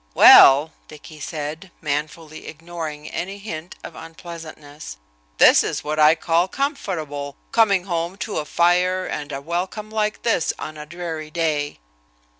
"Well," Dicky said, manfully ignoring any hint of unpleasantness, "this is what I call comfortable, coming home to a fire and a welcome like this on a dreary day."